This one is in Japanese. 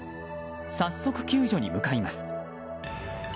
早速、救助に向かいます。